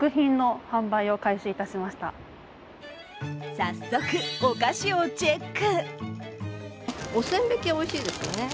早速、お菓子をチェック。